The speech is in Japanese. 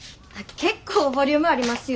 結構ボリュームありますよ。